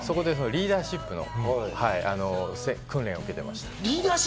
そこでリーダーシップの訓練を受けてました。